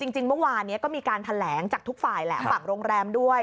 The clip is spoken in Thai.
จริงเมื่อวานนี้ก็มีการแถลงจากทุกฝ่ายแหละฝั่งโรงแรมด้วย